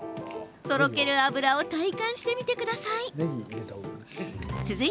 とろける脂を体感してみてください。